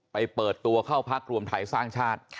เปิดตัวเข้าพักรวมไทยสร้างชาติ